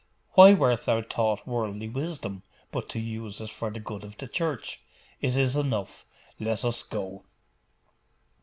Why wert thou taught worldly wisdom, but to use it for the good of the Church? It is enough. Let us go.